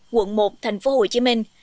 quận một thành phố hồ chí minh